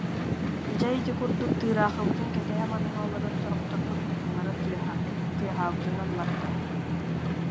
Дьэ, ити курдук тыыраахыбытын кэтэһэ-манаһа олорон, сорохторбут муннулара тыаһаабытынан барда